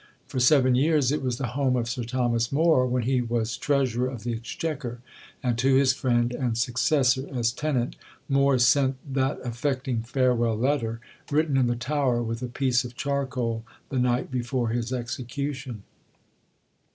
For seven years it was the home of Sir Thomas More when he was Treasurer of the Exchequer; and, to his friend and successor as tenant, More sent that affecting farewell letter, written in the Tower with a piece of charcoal, the night before his execution.